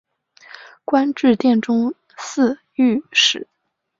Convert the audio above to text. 官至殿中侍御史。